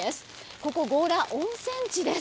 ここ、強羅温泉地です。